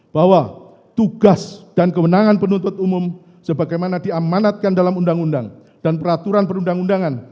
bahwa tugas dan kewenangan penuntut umum sebagaimana diamanatkan dalam undang undang dan peraturan perundang undangan